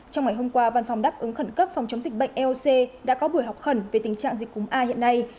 trong ngày hôm qua văn phòng đáp ứng khẩn cấp phòng chống dịch bệnh eoc đã có buổi học khẩn về tình trạng dịch cúng a hiện nay